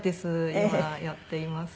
今やっています。